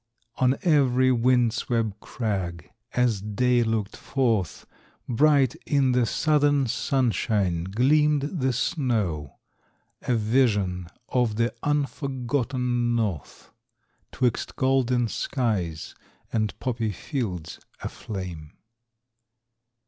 On every wind swept crag, as Day looked forth, Bright in the southern sunshine gleamed the snow, A vision of the unforgotten North 'Twixt golden skies and poppy fields aflame.